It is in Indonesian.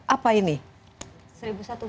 seribu satu apa yang anda lakukan